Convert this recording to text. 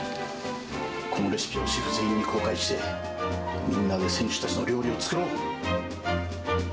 このレシピをシェフ全員に公開して、みんなで選手たちの料理を作ろう！